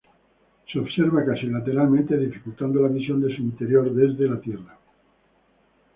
Se observa casi lateralmente, dificultando la visión de su interior desde la Tierra.